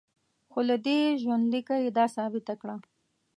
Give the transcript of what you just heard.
خو له دې ژوندلیکه یې دا ثابته کړه.